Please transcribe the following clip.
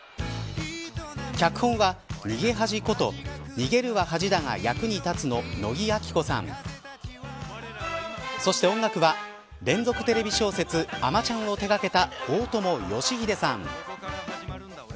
脚本は、逃げ恥こと逃げるは恥だが役に立つの野木亜紀子さんそして、音楽は連続テレビ小説あまちゃんを手掛けた大友良英さん。